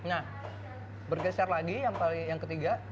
nah bergeser lagi yang ketiga